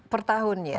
per tahun ya